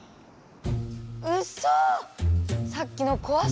うそ！